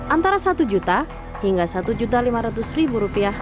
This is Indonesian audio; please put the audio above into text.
antara satu juta hingga satu lima ratus rupiah